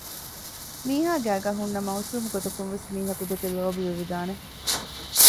މީހާ ގައިގައި ހުންނަ މައުސޫމުގޮތަކުންވެސް މީހަކު ދެކެ ލޯބިވެވިދާނެ